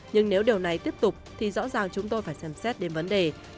nhưng nếu điều này tiếp tục thì rõ ràng chúng tôi phải xem xét đến vấn đề